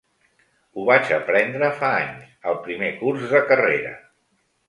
Ho vaig aprendre fa anys, al primer curs de carrera.